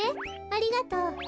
ありがとう。